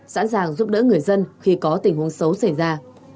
sẵn sàng giúp đỡ người dân khi có tình huống xấu xảy ra